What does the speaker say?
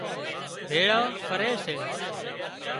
ڀيۯان ڀۯي سي